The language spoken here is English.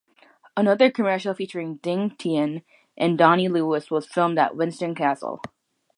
Another commercial featuring Jing Tian and Donny Lewis was filmed at Winton Castle.